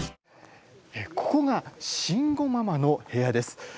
ここが「慎吾ママの部屋」です。